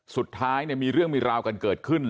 สุดท้ายเนี่ยมีเรื่องมีราวกันเกิดขึ้น